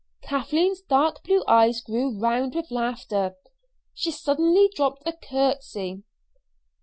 Kathleen's dark blue eyes grew round with laughter. She suddenly dropped a curtsy.